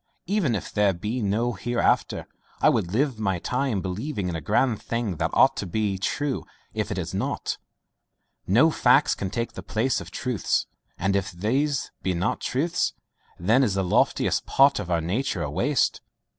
Even if there be no hereafter, I would live my time believing in a grand thing that ought to be true if it is not. No facts can take the place of truths, and if these be not truths, then is the loftiest part of our nature a waste.